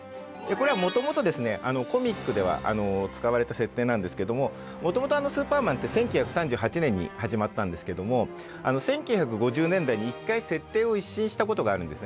これはもともとコミックでは使われた設定なんですけどももともと「スーパーマン」って１９３８年に始まったんですけども１９５０年代に一回設定を一新したことがあるんですね。